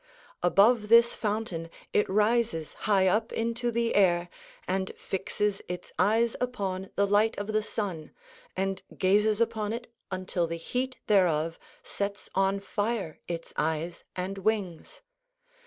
Above this fountain it rises high up into the air, and fixes its eyes upon the light of the sun and gazes upon it until the heat thereof sets on fire its eyes and wings.